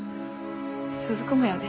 鈴子もやで。